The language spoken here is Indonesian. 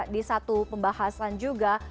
di satu pembahasan juga